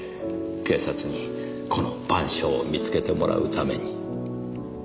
警察にこの『晩鐘』を見つけてもらうために。